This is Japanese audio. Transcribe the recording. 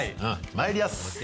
まいりやす。